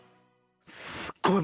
すっごい。